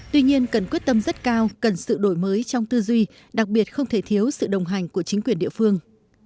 tuy nhiên cần quyết tâm rất cao cần sự đổi mới trong tư duy đặc biệt không thể thiếu sự đồng hành của chính quyền địa phương